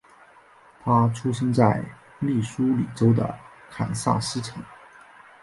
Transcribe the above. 他出生在密苏里州的堪萨斯城。